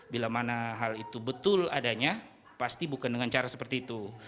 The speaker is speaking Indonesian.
bila mana hal itu betul adanya pasti bukan dengan cara seperti itu